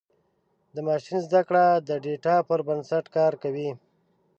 د ماشین زدهکړه د ډیټا پر بنسټ کار کوي.